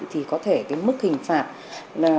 thì có thể cái mức hình phạt là